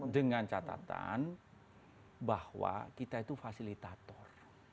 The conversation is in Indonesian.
dengan catatan bahwa kita itu fasilitator